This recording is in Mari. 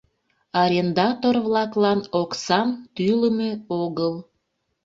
— Арендатор-влаклан оксам тӱлымӧ огыл.